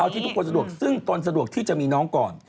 ที่ทุกคนสะดวกซึ่งตนสะดวกที่จะมีน้องก่อน